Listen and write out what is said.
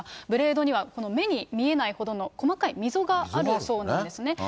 ブレードには目に見えないほどの細かい溝があるそうなんですね。